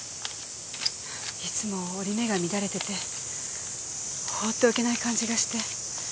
いつも折り目が乱れてて放っておけない感じがして。